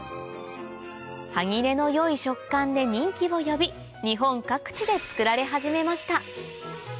歯切れの良い食感で人気を呼び日本各地で作られ始めました